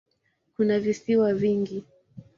Kuna visiwa vingi.